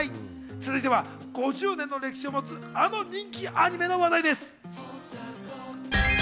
続いて５０年の歴史を持つ、あの人気アニメの話題です。